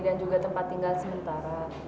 dan juga tempat tinggal sementara